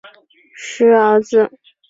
石皋子。